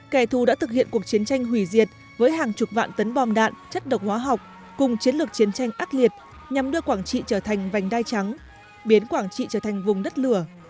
kẻ thù đã thực hiện cuộc chiến tranh hủy diệt với hàng chục vạn tấn bom đạn chất độc hóa học cùng chiến lược chiến tranh ác liệt nhằm đưa quảng trị trở thành vành đai trắng biến quảng trị trở thành vùng đất lửa